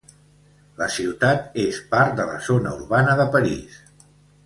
La ciutat és part de la zona urbana de París.